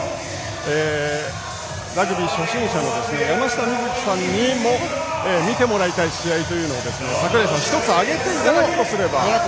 ラグビー初心者の山下美月さんにも見てもらいたい試合を櫻井さん、１つ挙げていただくとすれば。